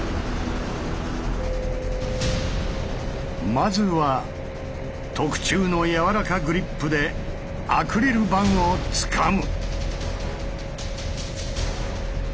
まずは特注のやわらかグリップでアクリル板をつかむ。